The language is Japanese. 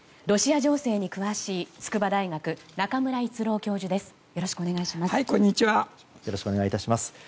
ロシア情勢に詳しい筑波大学、中村逸郎教授です。